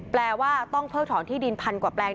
แปลว่าต้องเพิกถอนที่ดินพันกว่าแปลง